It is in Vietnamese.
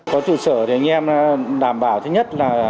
có trụ sở thì anh em đảm bảo thứ nhất là